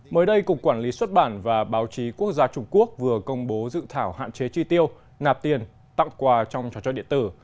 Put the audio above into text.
mới đây cục quản lý xuất bản và báo chí quốc gia trung quốc vừa công bố dự thảo hạn chế chi tiêu nạp tiền tặng quà trong trò chơi điện tử